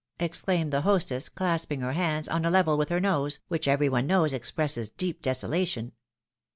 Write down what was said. " exclaimed the hostess, clasping her hands, on a level with her nose, which every one knows expresses deep desolation.